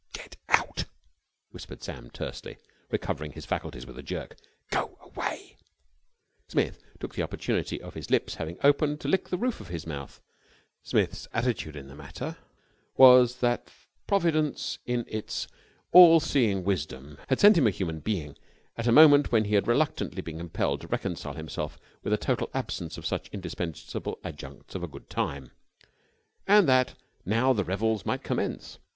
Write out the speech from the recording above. "Get out!" whispered Sam tensely, recovering his faculties with a jerk. "Go away!" Smith took the opportunity of his lips having opened to lick the roof of his mouth. Smith's attitude in the matter was that providence in its all seeing wisdom had sent him a human being at a moment when he had reluctantly been compelled to reconcile himself to a total absence of such indispensable adjuncts to a good time, and that now the revels might commence.